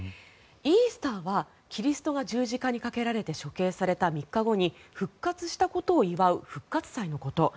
イースターはキリストが十字架に架けられて処刑された３日後に復活したことを祝う復活祭のこと。